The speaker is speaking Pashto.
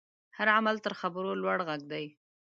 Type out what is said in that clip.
هر عمل تر خبرو لوړ غږ لري.